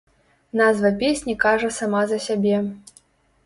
Назва песні кажа сама за сябе.